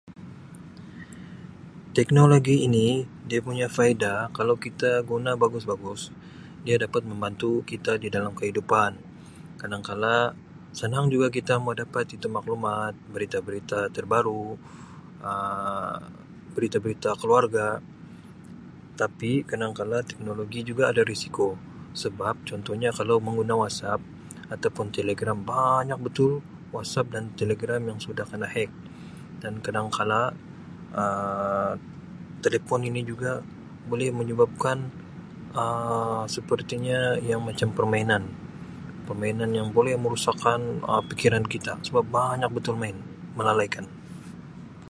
Teknologi ini dia punya faedah kalau kita guna bagus-bagus dia dapat membantu kita di dalam kehidupan, kadangkala sanang juga kita mau dapat itu maklumat berita-berita terbaru Um, berita-berita keluarga tapi kadangkala teknologi juga ada risiko sebab contohnya mengguna WhatsApp atau pun Telegram banyak betul WhatsApp dan Telegram yang sudah kena hacked, kadangkala Um telepon ini juga boleh menyebabkan Um sepertinya yang macam permainan, permainan yang boleh merusakkan Um pikiran kita.